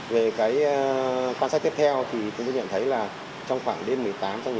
về quan sát tiếp theo thì chúng tôi nhận thấy là trong khoảng đêm một mươi tám một mươi chín